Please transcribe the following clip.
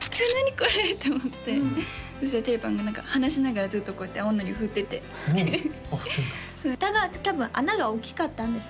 これって思ってそしたらてれぱんが何か話しながらずっとこうやって青海苔を振っててフタが多分穴が大きかったんですね